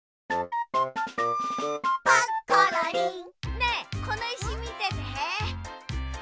ねえこのいしみてて。